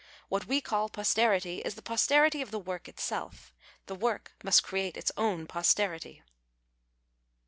What we call j)ostcrity is the j)ostcrity of the work itself. The work must create its own posterity.''